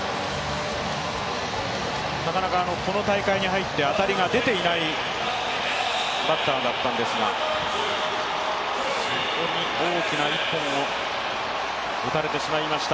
なかなかこの大会に入って当たりが出ていないバッターだったんですが大きな一本を打たれてしまいました。